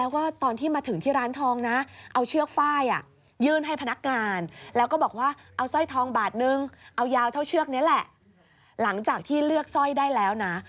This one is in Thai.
หนึ่งเอายาวเท่าเชือกนี้แหละหลังจากที่เลือกสร้อยได้แล้วนะ